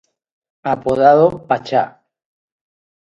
Apodado "Pacha".